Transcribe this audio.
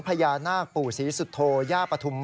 พญานาคปู่ศรีสุโธย่าปฐุม